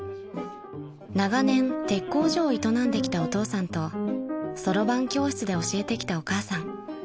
［長年鉄工所を営んできたお父さんとそろばん教室で教えてきたお母さん］